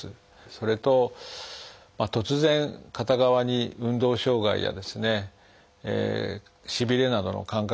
それと突然片側に運動障害やしびれなどの感覚